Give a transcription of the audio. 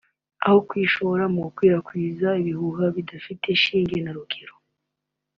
aho kwishora mu gukwirakwiza ibihuha bidafite shinge na rugero